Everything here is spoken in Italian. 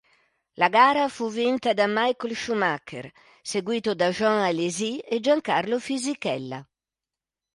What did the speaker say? La gara fu vinta da Michael Schumacher, seguito da Jean Alesi e Giancarlo Fisichella.